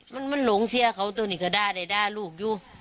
มันมันหลงเสียเขาตัวนี้ก็ได้ได้ได้ลูกอยู่